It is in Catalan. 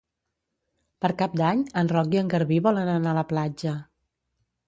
Per Cap d'Any en Roc i en Garbí volen anar a la platja.